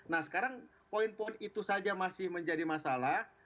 nah sekarang poin poin itu saja masih menjadi masalah